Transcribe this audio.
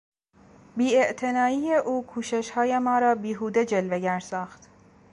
بی اعتنایی او کوششهای ما را بیهوده جلوگر ساخت.